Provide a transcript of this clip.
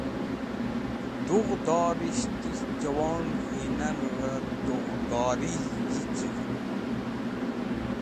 Dughdorishtes̃h jẽwon k̃hũynanvẽ dughdorig̃h yicuvẽn.